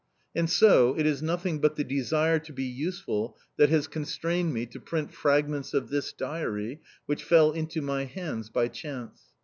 And, so, it is nothing but the desire to be useful that has constrained me to print fragments of this diary which fell into my hands by chance.